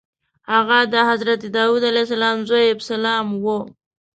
هغه د حضرت داود علیه السلام زوی ابسلام و.